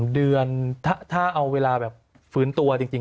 ๑เดือนถ้าเอาเวลาแบบฟื้นตัวจริง